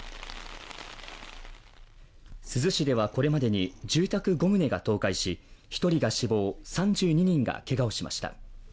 珠洲市ではこれまでに住宅５棟が倒壊し１人が死亡、３２人がけがをしました。